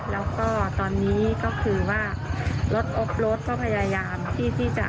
แล้วก็ตอนนี้ก็คือว่ารถอบรถก็พยายามที่จะ